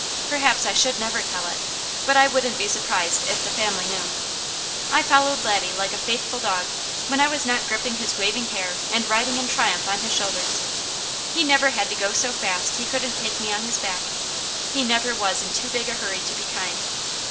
Perhaps I should never tell it, but I wouldn't be surprised if the family knew. I followed Laddie like a faithful dog, when I was not gripping his waving hair and riding in triumph on his shoulders. He never had to go so fast he couldn't take me on his back. He never was in too big a hurry to be kind.